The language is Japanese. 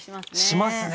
しますね。